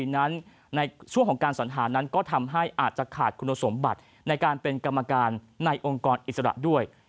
นั้นในช่วงของการสัญหานั้นก็ทำให้อาจจะขาดคุณสมบัติในการเป็นกรรมการในองค์กรอิสระด้วย